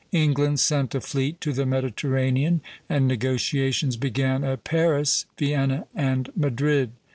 England sent a fleet to the Mediterranean, and negotiations began at Paris, Vienna, and Madrid.